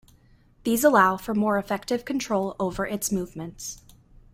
These allow for more effective control over its movement.